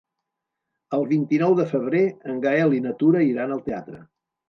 El vint-i-nou de febrer en Gaël i na Tura iran al teatre.